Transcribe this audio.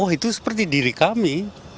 oh itu seperti diri kami